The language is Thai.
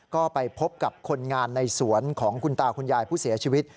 ก็ไปพบกับคนงานในสวนของคุณตาคุณยายผู้เสียชีวิต